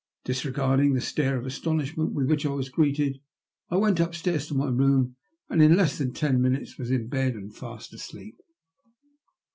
Disregarding the stare of astonishment with which I was greeted, I went upstairs to my room, and in less than ten minutes was in bed and fast asleep.